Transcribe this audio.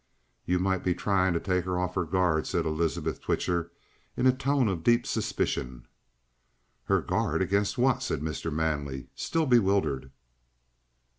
"You might be trying to take her off her guard," said Elizabeth Twitcher in a tone of deep suspicion. "Her guard against what?" said Mr. Manley, still bewildered.